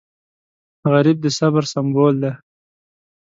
غریب د صبر سمبول دی